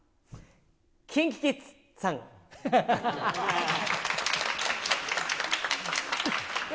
ＫｉｎＫｉＫｉｄｓさん。